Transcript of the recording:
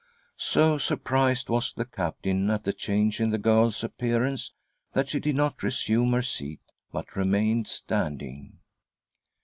So surprised was the Captain at the change in the girl's appearance that she did not resume her seat, but remained standing.